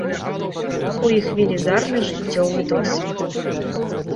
У іх велізарны жыццёвы досвед.